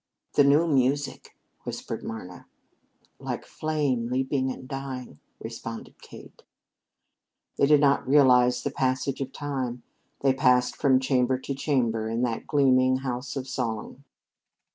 "The new music," whispered Marna. "Like flame leaping and dying," responded Kate. They did not realize the passage of time. They passed from chamber to chamber in that gleaming house of song.